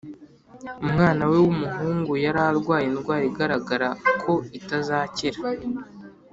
. Umwana we w’umuhungu yari arwaye indwara igaragara ko itazakira.